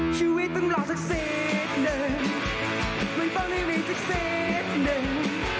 ชีวิตต้องรอศักดิ์สิบหนึ่งมันต้องมีศักดิ์สิบหนึ่ง